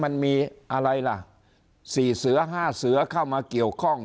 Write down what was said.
มันมีอะไรล่ะ๔เสือ๕เสือเข้ามาเกี่ยวข้อง